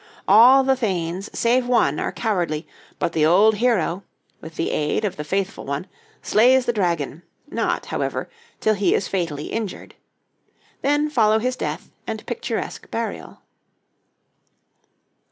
All the thanes save one are cowardly; but the old hero, with the aid of the faithful one, slays the dragon, not, however, till he is fatally injured. Then follow his death and picturesque burial.